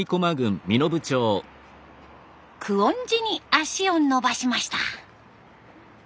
久遠寺に足を延ばしました。